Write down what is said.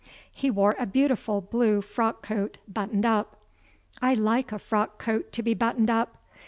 He wore a beautiful blue frock coat, buttoned up. I like a frock coat to be buttoned up.